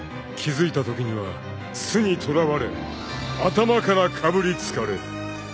［気付いたときには巣に捕らわれ頭からかぶりつかれる］